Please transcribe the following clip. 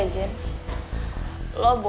iya dan pesen om juga